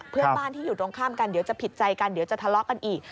เพื่อนบ้านที่อยู่ตรงข้ามกันเดี๋ยวจะผิดใจกันเดี๋ยวจะทะเลาะกันอีก